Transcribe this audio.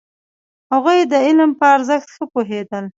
هغوی د علم په ارزښت ښه پوهېدل.